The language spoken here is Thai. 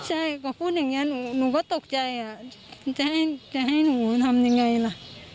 ใช่ก็พูดอย่างนี้หนูก็ตกใจจะให้หนูทำยังไงล่ะ